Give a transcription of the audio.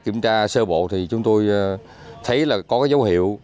khi kiểm tra sơ bộ thì chúng tôi thấy là có dấu hiệu